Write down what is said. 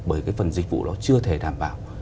bởi cái phần dịch vụ đó chưa thể đảm bảo